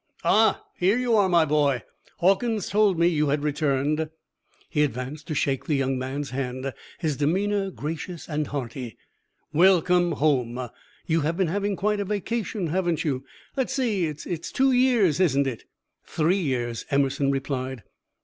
"Ah, here you are, my boy! Hawkins told me you had returned." He advanced to shake the young man's hand, his demeanor gracious and hearty. "Welcome home. You have been having quite a vacation, haven't you? Let's see, it's two years, isn't it?" "Three years!" Emerson replied.